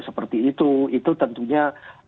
seperti itu itu tentunya